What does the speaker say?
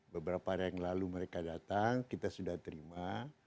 beberapa hari yang lalu mereka datang kita sudah terima